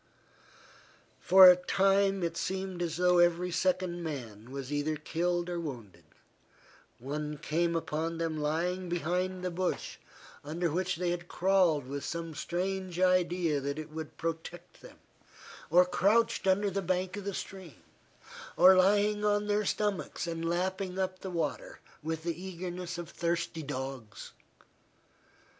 For a time it seemed as though every second man was either killed or wounded; one came upon them lying behind the bush, under which they had crawled with some strange idea that it would protect them, or crouched under the bank of the stream, or lying on their stomachs and lapping up the water with the eagerness of thirsty dogs.